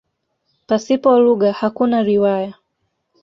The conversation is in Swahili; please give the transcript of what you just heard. Pasipo lugha hakuna riwaya.